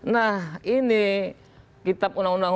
nah ini kitab undang undang